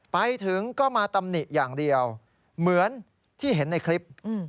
ไปถึงก็มาตำหนิอย่างเดียวเหมือนที่เห็นในคลิป